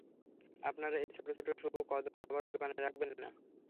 আপনার এই ছোট ছোট শুভ কদম আবারও দোকানে রাখবেন না।